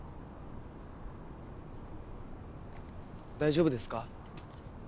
大丈夫ですか。